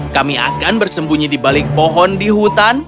kami akan bersembunyi di balik pohon di hutan